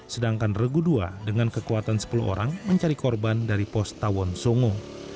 sedangkan regu dua dengan kekuatan sepuluh orang mencari korban dari pos tawon songo